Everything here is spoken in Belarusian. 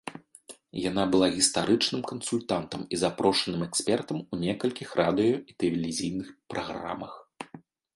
Яна была гістарычным кансультантам і запрошаным экспертам у некалькіх радыё- і тэлевізійных праграмах.